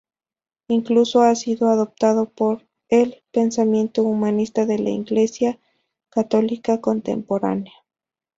Incluso ha sido adaptado por el pensamiento humanista de la Iglesia Católica contemporánea.